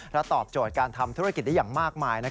และตอบโจทย์การทำธุรกิจได้อย่างมากมาย